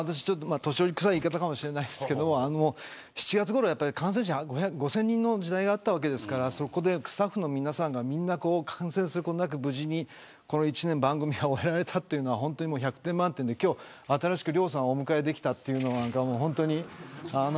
年寄りくさい言い方かもしれないですけど、７月ごろ感染者が５０００人の時代があった訳ですからそこでスタッフの皆さんがみんな感染することなく無事にこの一年番組を終えられたっていうのはほんとに１００点満点で今日、新しく亮さんをお迎えできたっていうのはなんかもうほんとに、あの。